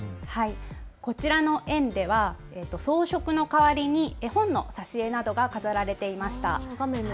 こちらの園では装飾の代わりに絵本の挿絵などが飾られていました。